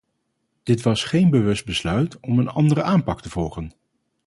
Dit was geen bewust besluit om een andere aanpak te volgen.